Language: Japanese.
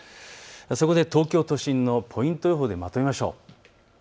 そこで東京都心のポイント予報でまとめましょう。